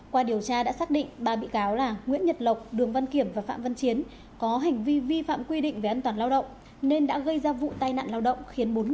qua điều tra đã xác định ba bị cáo là nguyễn nhật lộc đường văn kiểm và phạm văn chiến có hành vi vi phạm quy định về an toàn lao động nên đã gây ra vụ tai nạn lao động khiến bốn người